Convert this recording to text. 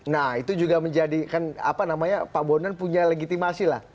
nah itu juga menjadikan apa namanya pak bondan punya legitimasi lah